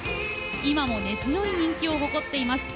今も根強い人気を誇っています。